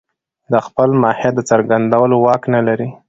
د خپل ماهيت د څرګندولو واک نه لري.